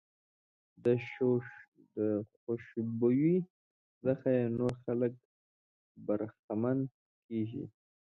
د خوشبويۍ څخه یې نور خلک برخمن کېږي.